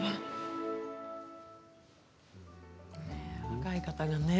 若い方がね